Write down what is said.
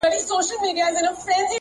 پښتانه لکه مګس ورباندي ګرځي؛